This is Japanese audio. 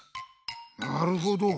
なるほど。